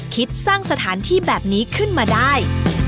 คิดสร้างสถานที่แบบนี้ขึ้นมาได้